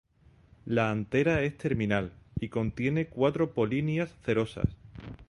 La antera es terminal, y contiene cuatro polinias cerosas.